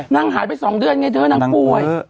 นางหายไปสองเดือนไงเท่านั้นข้วย